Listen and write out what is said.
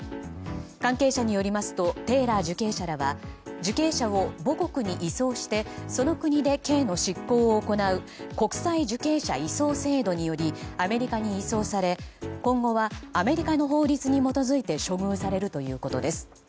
関係者によりますとテイラー受刑者らは受刑者を母国に移送してその国で刑の執行を行う国際受刑者移送制度によりアメリカに移送され今後はアメリカの法律に基づいて処遇されるということです。